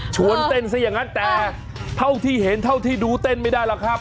วนเต้นซะอย่างนั้นแต่เท่าที่เห็นเท่าที่ดูเต้นไม่ได้หรอกครับ